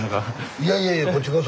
いやいやいやこっちこそ。